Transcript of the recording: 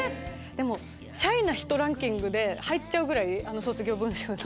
でもシャイな人ランキングで入っちゃうぐらい卒業文集の。